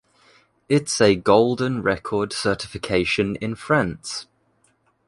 Its a golden record certification in France.